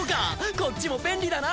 こっちも便利だな！